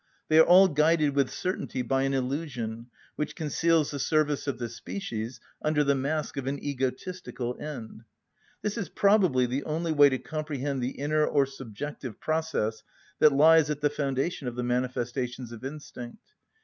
They are all guided with certainty by an illusion, which conceals the service of the species under the mask of an egotistical end. This is probably the only way to comprehend the inner or subjective process that lies at the foundation of the manifestations of instinct.